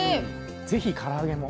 是非から揚げも。